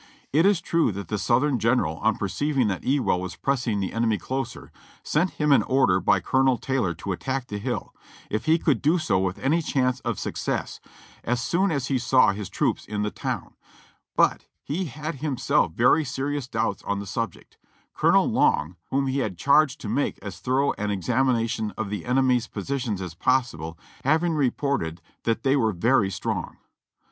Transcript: It is true that the Southern General, on perceiving that Ewell was pressing the enemy closer, sent him an order by Colonel Taylor to attack the hill, if he could do so with any chance of success, as soon as he saw his troops in the town ; but he had himself very serious doubts on the subject, Colonel Long, whom he had charged to make as thorough an examination of the enemy's positions as possible, having reported that they were very strong.